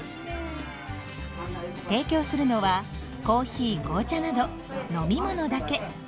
提供するのはコーヒー紅茶など飲み物だけ。